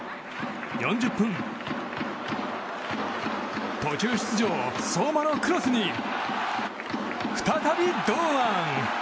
４０分、途中出場相馬のクロスに再び堂安！